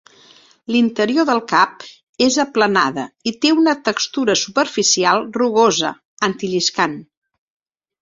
L'interior del cap és aplanada i té una textura superficial rugosa, antilliscant.